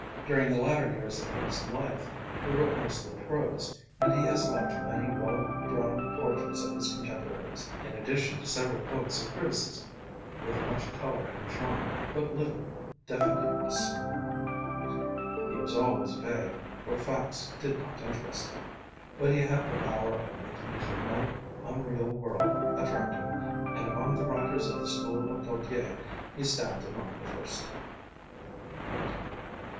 During the latter years of his life he wrote mostly prose, and he has left many well drawn portraits of his contemporaries, in addition to several books of criticism, with much color and charm, but little definiteness. He was always vague, for facts did not interest him; but he had the power of making his remote, unreal world attractive, and among the writers of the school of Gautier he stands among the first.